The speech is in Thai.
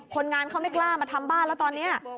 คนงานเขาไม่กล้ามาทำบ้านแล้วตอนนี้